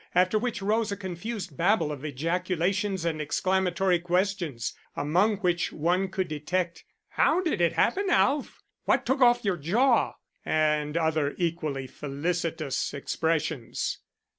After which rose a confused babel of ejaculations and exclamatory questions, among which one could detect: "How did it happen, Alf?" "What took off your jaw?" and other equally felicitous expressions.